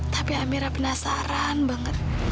tapi amira penasaran banget